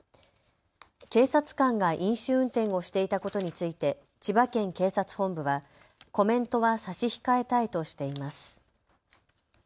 警察官が飲酒運転をしていたことについて千葉県警察本部はコメントは差し控えたいとしています。